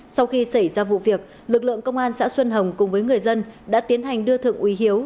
sau khi xảy ra vụ việc lực lượng công an xã xuân hồng cùng với người dân đã tiến hành đưa thượng úy hiếu